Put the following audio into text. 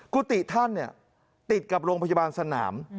กุฏิท่านติดกับโรงพยาบาลสนาม